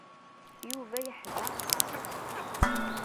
Yuba yeḥdaqer.